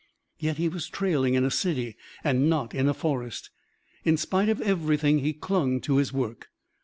Yet he was trailing in a city and not in a forest. In spite of everything he clung to his work.